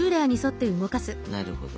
なるほど。